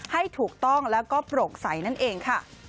ให้ถูกต้องแล้วก็โปร่งใสนั่นเองค่ะ